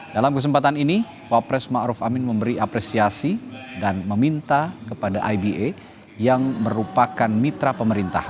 dalam kesempatan ini wapres ⁇ maruf ⁇ amin memberi apresiasi dan meminta kepada iba yang merupakan mitra pemerintah